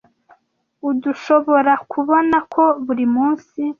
Urdushoborakubona ko burimunsi.